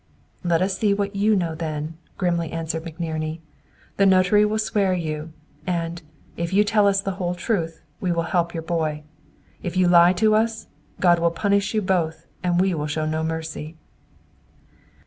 "Let us see what you know, then!" grimly answered McNerney. "The notary will swear you, and, if you tell us the whole truth, we will help your boy. If you lie to us, God will punish you both, and we will show no mercy."